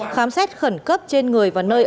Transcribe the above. khám xét khẩn cấp trên người và nơi